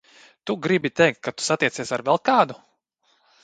Tu gribi teikt, ka tu satiecies ar vēl kādu?